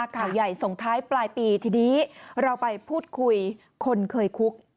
ข่าวใหญ่ส่งท้ายปลายปีทีนี้เราไปพูดคุยคนเคยคุก